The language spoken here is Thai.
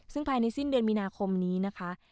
ซึ่งภายในสิ้นเดือนมีนาคมนี้นะคะ